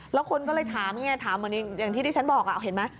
แล้วคนก็เลยถามไงถามเหมือนอย่างที่ที่ฉันบอกเห็นไหม